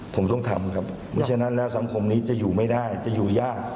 ผมต้องทำครับไม่ฉะนั้นแล้วสังคมนี้จะอยู่ไม่ได้จะอยู่ยาก